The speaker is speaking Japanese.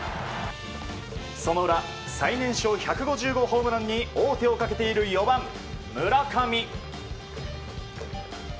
その裏、最年少１５０号ホームランに王手をかけている４番、村上。